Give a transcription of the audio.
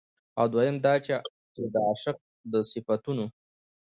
او دويم دا چې د عاشق د صفتونو